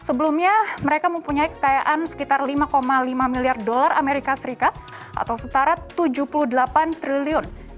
sebelumnya mereka mempunyai kekayaan sekitar lima lima miliar dolar amerika serikat atau setara tujuh puluh delapan triliun